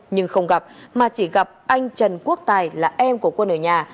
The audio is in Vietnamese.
nhưng không gặp mà chỉ gặp anh trần quốc tài là em của quân ở nhà